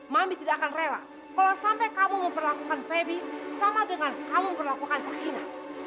mami tidak akan rela kalau sampai kamu memperlakukan feby sama dengan kamu memperlakukan sakina